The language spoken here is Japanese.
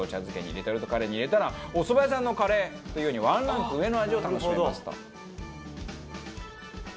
レトルトカレーに入れたらお蕎麦屋さんのカレーというようにワンランク上の味を楽しめますと。